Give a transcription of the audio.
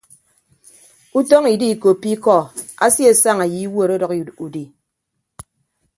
Utọñ idiikoppo ikọ asiesaña ye iwuot ọdʌk udi.